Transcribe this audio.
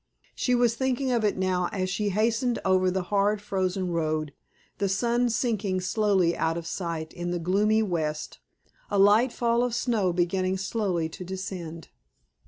She was thinking of it now as she hastened over the hard, frozen road, the sun sinking slowly out of sight in the gloomy west, a light fall of snow beginning slowly to descend.